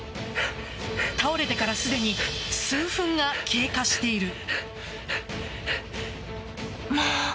倒れてからすでに数分が経過している。